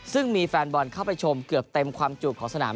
ซึ่งมีแฟนบอลเข้าไปชมเกือบเต็มความจูบของสนาม